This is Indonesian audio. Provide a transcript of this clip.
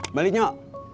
ayo lah pada kemana